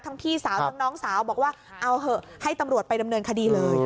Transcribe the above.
พี่สาวทั้งน้องสาวบอกว่าเอาเหอะให้ตำรวจไปดำเนินคดีเลย